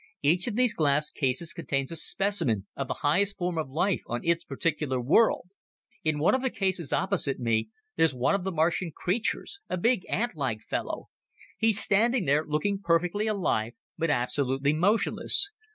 Each of these glass cases contains a specimen of the highest form of life of its particular world. In one of the cases, opposite me, there's one of the Martian creatures a big, antlike fellow. He's standing there, looking perfectly alive, but absolutely motionless.